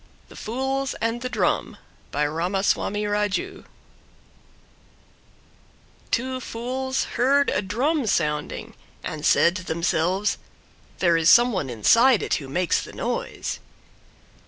THE FOOLS AND THE DRUM By Ramaswami Raju Two fools heard a Drum sounding, and said to themselves, There is some one inside it who makes the noise."